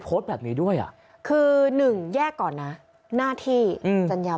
โพสต์แบบนี้ด้วยอ่ะคือหนึ่งแยกก่อนนะหน้าที่อืมสัญญา